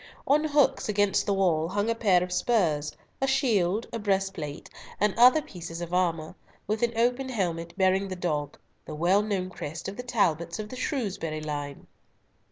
On hooks, against the wall, hung a pair of spurs, a shield, a breastplate, and other pieces of armour, with an open helmet bearing the dog, the well known crest of the Talbots of the Shrewsbury line.